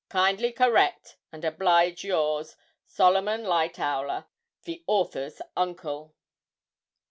Kindly correct, and oblige yours, '"SOLOMON LIGHTOWLER (the author's uncle)."'